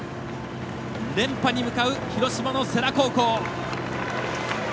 連覇に向かう広島の世羅高校。